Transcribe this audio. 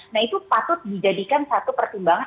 nah itu patut dijadikan satu pertimbangan